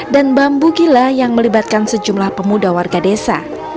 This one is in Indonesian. dan bambu gila yang melibatkan sejumlah pemuda warga desa